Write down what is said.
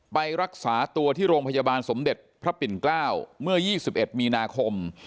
ไปรักษาตัวที่โรงพยาบาลสมเด็จพระปิ่นเกล้าเมื่อ๒๑มีนาคม